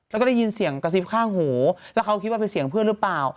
แล้วก็ได้ยินเสียงกระซิบข้างหูแล้วเขาคิดว่าเป็นเสียงเพื่อนหรือเปล่า